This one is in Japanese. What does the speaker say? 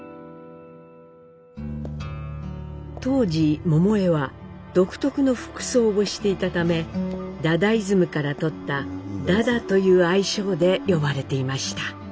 当時桃枝は独特の服装をしていたためダダイズムからとった「ダダ」という愛称で呼ばれていました。